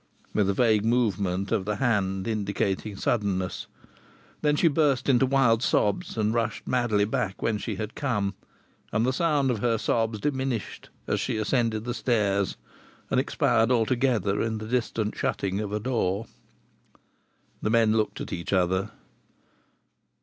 with a vague movement of the hand indicating suddenness. Then she burst into wild sobs and rushed madly back whence she had come, and the sound of her sobs diminished as she ascended the stairs, and expired altogether in the distant shutting of a door. The men looked at each other.